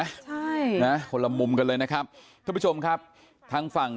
ใช่นะคนละมุมกันเลยนะครับท่านผู้ชมครับทางฝั่ง